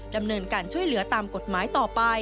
ดำเนินการช่วยเหลือตามกฎหมายต่อไป